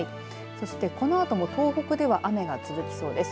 そして、このあとも東北では雨が続きそうです。